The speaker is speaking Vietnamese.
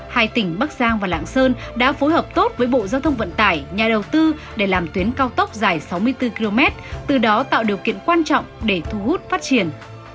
hai tỉnh bắc giang và lạng sơn đã phối hợp tốt với bộ giao thông vận tải nhà đầu tư để làm tuyến cao tốc dài sáu mươi bốn km từ đó tạo điều kiện quan trọng để thu hút phát triển